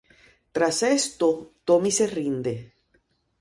Tras esto, Tommy se rinde.